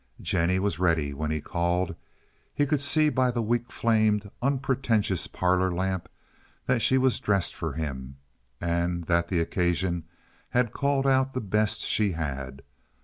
Jennie was ready when he called. He could see by the weak flamed, unpretentious parlor lamp that she was dressed for him, and that the occasion had called out the best she had.